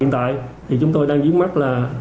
hiện tại thì chúng tôi đang diễn mắt là